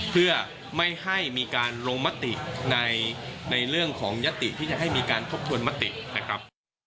เพื่อไม่ให้มีการลงมติในเรื่องของยติที่จะให้มีการทบทวนมตินะครับ